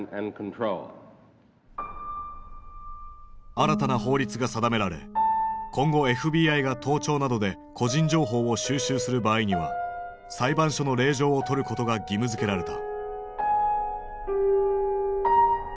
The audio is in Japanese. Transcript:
新たな法律が定められ今後ＦＢＩが盗聴などで個人情報を収集する場合には裁判所の令状を取ることが義務付けられた。